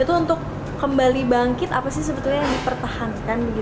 itu untuk kembali bangkit apa sih sebetulnya yang dipertahankan